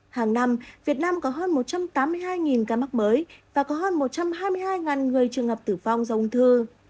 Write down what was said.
hàng năm việt nam có hơn một trăm tám mươi hai ca mắc mới và có hơn một trăm hai mươi hai người trường hợp tử vong do ung thư